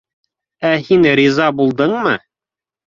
— Ә һин риза булдыңмы?